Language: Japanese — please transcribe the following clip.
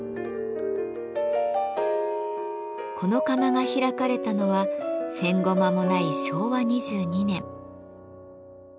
この窯が開かれたのは戦後まもない昭和２２年。